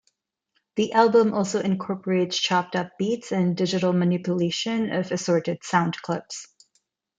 The album also incorporates chopped up beats and digital manipulation of assorted sound clips.